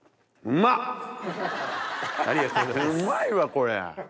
うまいわこれ。